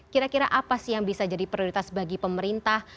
kira kira apa sih yang bisa jadi prioritas bagi pemerintah